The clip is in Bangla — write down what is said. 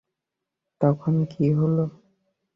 তখন কী হলো?